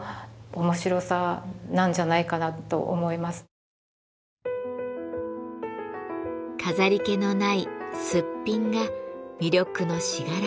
飾り気のない「すっぴん」が魅力の信楽焼。